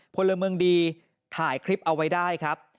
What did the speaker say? พลเมืองดีถ่ายคลิปเอาไว้ได้ครับ